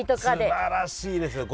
すばらしいですよ。